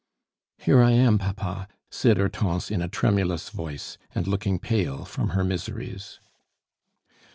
"Here I am, papa," said Hortense in a tremulous voice, and looking pale from her miseries.